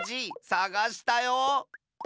さがしたよ。